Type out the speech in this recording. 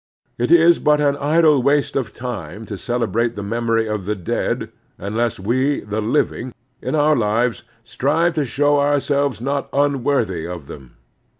It is but an idle waste of time to celebrate the memory of the dead tmless we, the living, in our lives strive to show ourselves not unworthy of them.